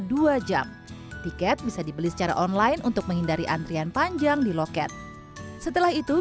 dua jam tiket bisa dibeli secara online untuk menghindari antrian panjang di loket setelah itu